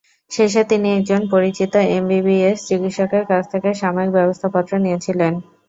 শেষে তিনি একজন পরিচিত এমবিবিএস চিকিৎসকের কাছ থেকে সাময়িক ব্যবস্থাপত্র নিয়েছিলেন।